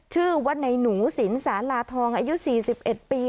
ชื่อว่าในหนูสินสาลาทองอายุสี่สิบเอ็ดปี